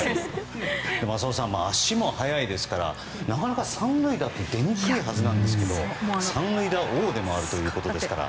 浅尾さん足も速いですからなかなか３塁打って出にくいはずなんですが３塁打王でもあるということですから。